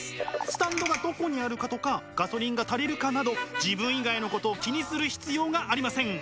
スタンドがどこにあるかとかガソリンが足りるかなど自分以外のことを気にする必要がありません。